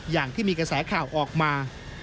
อย่างที่มีกระแสข่าวออกมา